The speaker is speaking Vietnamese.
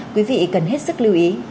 quý vị cần hết sức lưu ý